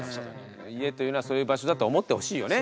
家というのはそういう場所だと思ってほしいよね